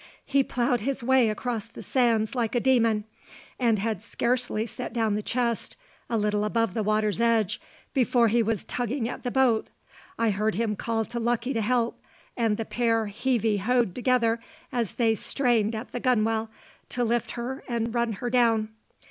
He ploughed his way across the sands like a demon, and had scarcely set down the chest, a little above the water's edge, before he was tugging at the boat. I heard him call to Lucky to help, and the pair heave y hoe'd together as they strained at the gunwale to lift her and run her down.